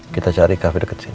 kita cari kafe deket sini